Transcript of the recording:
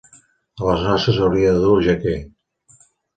A les noces hauries de dur jaqué.